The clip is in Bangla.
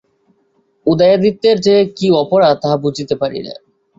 উদয়াদিত্যের যে কি অপরাধ তাহা বুঝিতে পারি না।